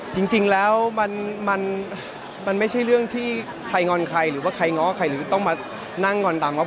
จริงแล้วมันไม่ใช่เรื่องที่ใครงอนใครหรือว่าใครง้อใครหรือต้องมานั่งงอนตามง้อ